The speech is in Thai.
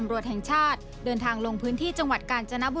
การทำสำนวนคดีนี้จากรายงานครับ